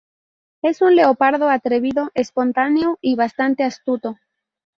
Es un leopardo atrevido, espontáneo y bastante astuto.